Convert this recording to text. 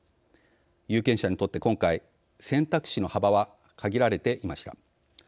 有権者にとって今回選択肢の幅は限られていました。